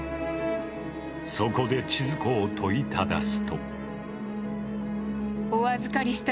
そこで千鶴子を問いただすと。